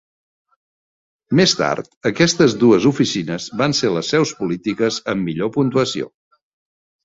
Més tard, aquestes dues oficines van ser les seus polítiques amb millor puntuació.